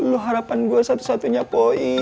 lu harapan gua satu satunya poi